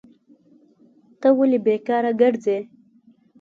ته ولي بیکاره کرځي؟